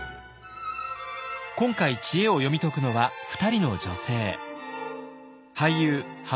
今回知恵を読み解くのは２人の女性。